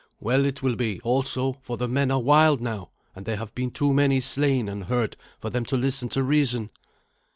Well it will be, also, for the men are wild now, and there have been too many slain and hurt for them to listen to reason."